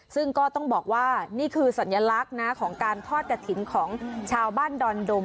ซึ่งก็ต้องบอกว่านี่คือสัญลักษณ์นะของการทอดกระถิ่นของชาวบ้านดอนดม